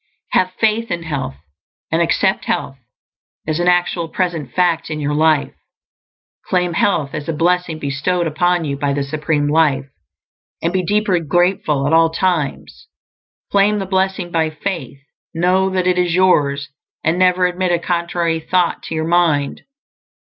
Have faith in health, and accept health as an actual present fact in your life. Claim health as a blessing bestowed upon you by the Supreme Life, and be deeply grateful at all times. Claim the blessing by faith; know that it is yours, and never admit a contrary thought to your mind.